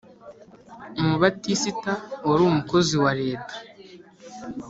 Umubatisita wari umukozi wa leta